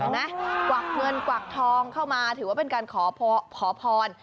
กวักเงินกวักทองเข้ามาถือว่าเป็นการขอพร